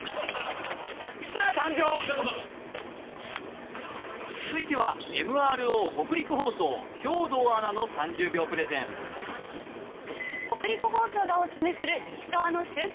ありがとうございます続いてはＭＲＯ北陸放送兵藤アナの３０秒プレゼン北陸放送がおすすめする石川の中継